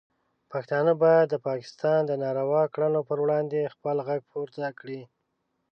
پښتانه باید د پاکستان د ناروا کړنو پر وړاندې خپل غږ پورته کړي.